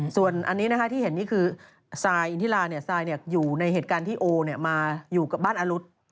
ส่วนอันนี้ที่เห็นนี่คือซายอินทิลาซายอยู่ในเหตุการณ์ที่โอมาอยู่กับบ้านอรุธ